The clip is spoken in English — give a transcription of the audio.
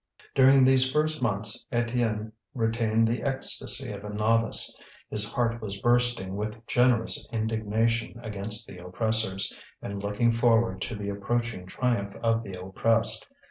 During these first months Étienne retained the ecstasy of a novice; his heart was bursting with generous indignation against the oppressors, and looking forward to the approaching triumph of the oppressed.